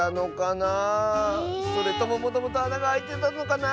それとももともとあながあいてたのかな！